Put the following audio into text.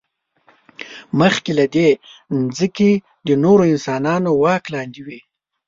مخکې له دې، ځمکې د نورو انسانانو واک لاندې وې.